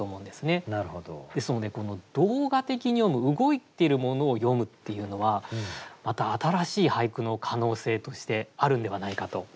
ですので動画的に詠む動いているものを詠むっていうのはまた新しい俳句の可能性としてあるんではないかと。